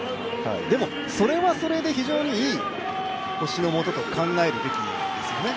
でも、それはそれで非常にいい星のもとと考えるべきですよね。